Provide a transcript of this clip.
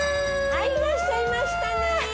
はいいらっしゃいましたね！